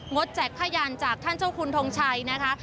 ดแจกผ้ายันจากท่านเจ้าคุณทงชัยนะคะ